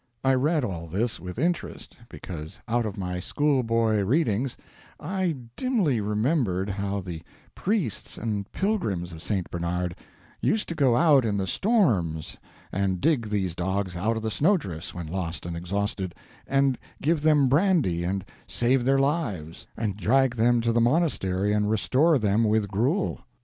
I read all this with interest, because out of my school boy readings I dimly remembered how the priests and pilgrims of St. Bernard used to go out in the storms and dig these dogs out of the snowdrifts when lost and exhausted, and give them brandy and save their lives, and drag them to the monastery and restore them with gruel.